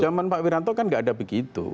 zaman pak wiranto kan tidak ada begitu